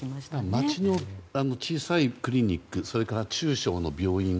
町の小さいクリニックそれから中小の病院